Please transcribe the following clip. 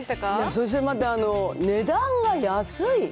そしてまた、値段が安い。